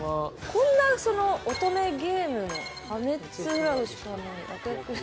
こんなその「乙女ゲームの破滅フラグしかない悪役」。